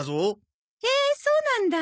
へえそうなんだ！